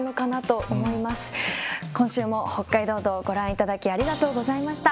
「北海道道」をご覧いただきありがとうございました。